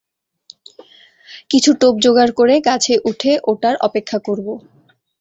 কিছু টোপ জোগাড় করে, গাছে উঠে ওটার অপেক্ষা করবো।